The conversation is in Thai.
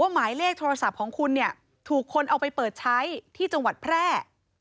หมายเลขโทรศัพท์ของคุณเนี่ยถูกคนเอาไปเปิดใช้ที่จังหวัดแพร่